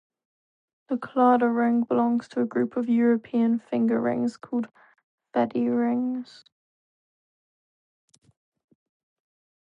The Claddagh ring belongs to a group of European finger rings called "fede" rings".